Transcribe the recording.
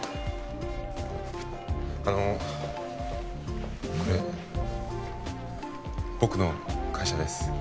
あのこれ僕の会社です